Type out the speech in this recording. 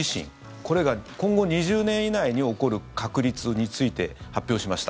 これが今後２０年以内に起こる確率について発表しました。